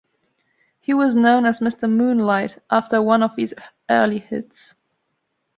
He was known as "Mr. Moonlight" after one of his early hits.